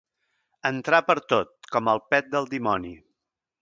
Entrar pertot, com el pet del dimoni.